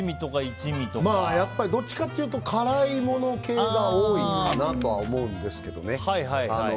どっちかっていうと辛いもの系が多いかなとは思うんですけどね。